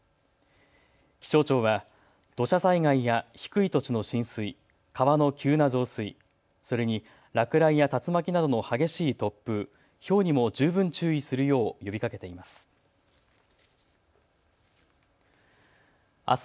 気象庁は土砂災害や低い土地の浸水、川の急な増水それに落雷や竜巻などの激しい突風、ひょうにも十分注意するよう呼びかけています。